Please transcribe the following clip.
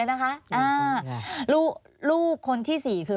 อันดับ๖๓๕จัดใช้วิจิตร